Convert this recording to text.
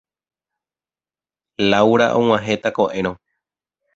Laura og̃uahẽta ko'ẽrõ.